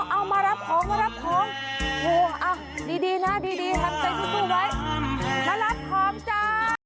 เอามารับของโอ้โหดีนะดีทำใจสู้ไว้มารับของจ้า